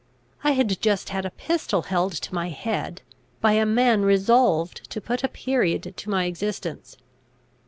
I had just had a pistol held to my head, by a man resolved to put a period to my existence.